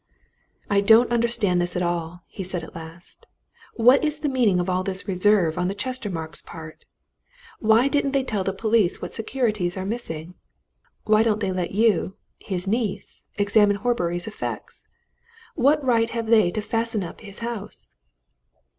"I don't understand this at all," he said at last. "What is the meaning of all this reserve on the Chestermarkes' part? Why didn't they tell the police what securities are missing? Why don't they let you, his niece, examine Horbury's effects? What right have they to fasten up his house?"